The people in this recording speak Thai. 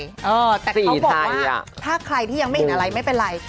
เออแต่เขาบอกว่าถ้าใครที่ยังไม่เห็นอะไรไม่เป็นไร